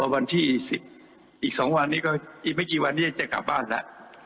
วันที่อีก๒วันนี้ก็อีกไม่กี่วันนี้จะกลับบ้านแล้ว